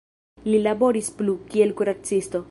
Li laboris plu, kiel kuracisto.